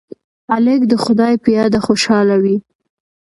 هلک د خدای په یاد خوشحاله وي.